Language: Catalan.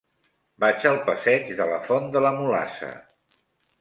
Vaig al passeig de la Font de la Mulassa.